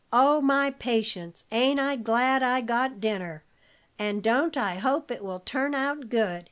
"Oh, my patience! Ain't I glad I got dinner, and don't I hope it will turn out good!"